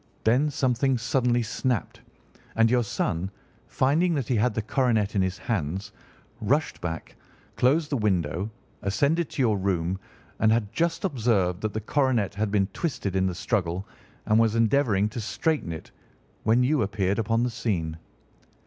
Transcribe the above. Then something suddenly snapped, and your son, finding that he had the coronet in his hands, rushed back, closed the window, ascended to your room, and had just observed that the coronet had been twisted in the struggle and was endeavouring to straighten it when you appeared upon the scene."